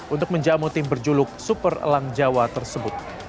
untuk menjamu tim berjuluk super elang jawa tersebut